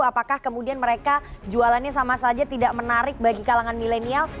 apakah kemudian mereka jualannya sama saja tidak menarik bagi kalangan milenial